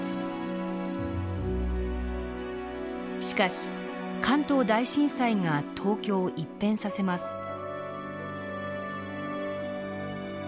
しかし関東大震災が東京を一変させます。